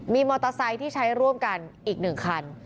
มีมอเตอร์ไซค์ที่ใช้ร่วมกันอีก๑คัน